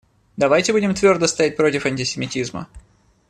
Давайте будем твердо стоять против антисемитизма.